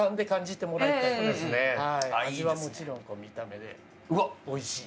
味はもちろん、見た目でおいしい。